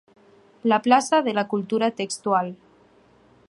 La plaça de la cultura textual.